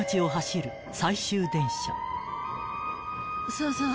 そうそう。